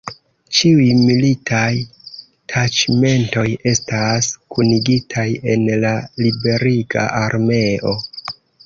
Ĉiuj militaj taĉmentoj estas kunigitaj en la Liberiga Armeo.